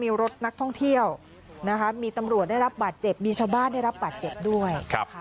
มีรถนักท่องเที่ยวมีตำรวจได้รับบาดเจ็บมีชาวบ้านได้รับบาดเจ็บด้วย